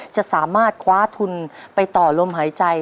จะสามารถคว้าทุนไปต่อลมหายใจ